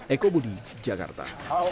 eko budi jakarta